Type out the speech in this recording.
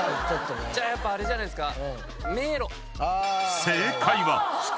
じゃあやっぱあれじゃないですか。